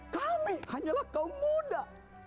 kami hanyalah kaum muda